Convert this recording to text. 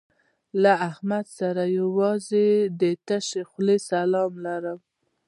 له احمد سره یوازې د تشې خولې سلام لرم.